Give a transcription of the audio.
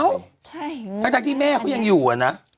ใช่ทั้งที่แม่เขายังอยู่อะนะ